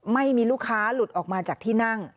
ไม่มีลูกค้าหลุดออกมาจากที่นั่ง